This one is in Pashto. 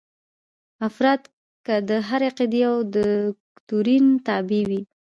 افراد که د هرې عقیدې او دوکتورین تابع وي.